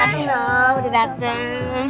terima kasih noh udah dateng